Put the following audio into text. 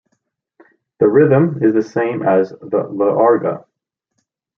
The rhythm is the same as the Llarga.